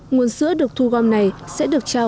nguồn sữa được thu gom này sẽ được trao